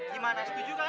gimana setuju kan